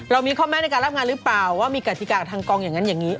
มีข้อแม้ในการรับงานหรือเปล่าว่ามีกฎิกากับทางกองอย่างนั้นอย่างนี้